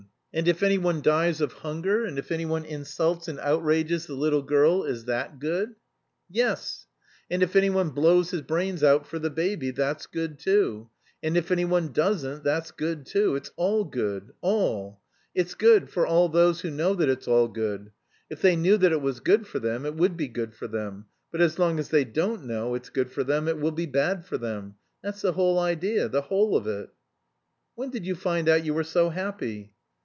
"And if anyone dies of hunger, and if anyone insults and outrages the little girl, is that good?" "Yes! And if anyone blows his brains out for the baby, that's good too. And if anyone doesn't, that's good too. It's all good, all. It's good for all those who know that it's all good. If they knew that it was good for them, it would be good for them, but as long as they don't know it's good for them, it will be bad for them. That's the whole idea, the whole of it." "When did you find out you were so happy?"